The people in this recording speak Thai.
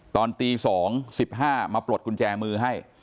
ตอนตี๒๑๕มาปลดกุญแจมือให้